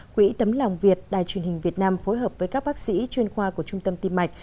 quỹ tấm lòng việt đài truyền hình việt nam phối hợp với các bác sĩ chuyên khoa của trung tâm tim mạch